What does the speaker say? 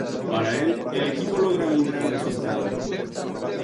Para el el equipo logra un gran resultado.